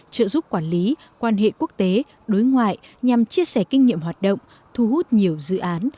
trợ giúp quản lý quan hệ quốc tế đối ngoại nhằm chia sẻ kinh nghiệm hoạt động thu hút nhiều dự án